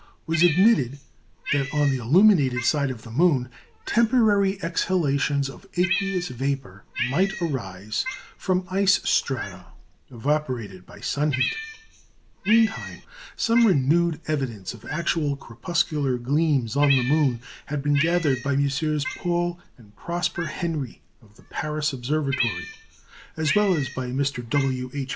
The possibility, however, was admitted that, on the illuminated side of the moon, temporary exhalations of aqueous vapour might arise from ice strata evaporated by sun heat. Meantime, some renewed evidence of actual crepuscular gleams on the moon had been gathered by MM. Paul and Prosper Henry of the Paris Observatory, as well as by Mr. W. H.